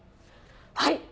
はい！